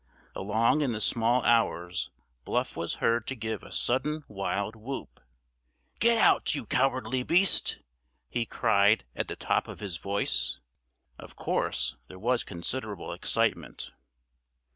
Along in the small hours Bluff was heard to give a sudden wild whoop: "Get out, you cowardly beast!" he cried at the top of his voice. Of course there was considerable excitement.